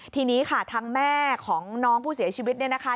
ทีนี้ค่ะทางแม่ของน้องผู้เสียชีวิตเนี่ยนะคะ